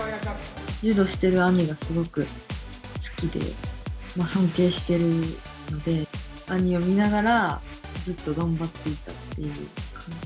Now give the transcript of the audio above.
柔道をしている兄がすごく好きで、尊敬してるので、兄を見ながら、ずっと頑張っていたという感じ。